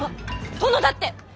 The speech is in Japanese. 殿だって！